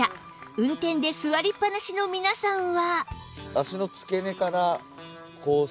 運転で座りっぱなしの皆さんは